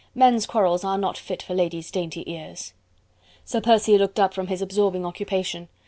Men's quarrels are not fit for ladies' dainty ears." Sir Percy looked up from his absorbing occupation.